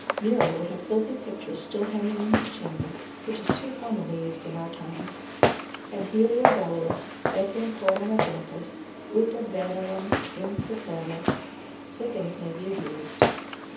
Nero would have filthy pictures still hanging in his chamber, which is too commonly used in our times, and Heliogabalus, etiam coram agentes, ut ad venerem incitarent: So things may be abused.